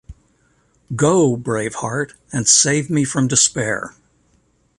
Go, brave heart, and save me from despair.